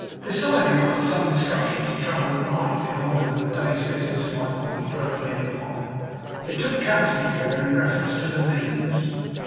Deciding, after some discussion, to travel at night, in order that the day's business might not be broken in upon, they took counsel together in reference to the means.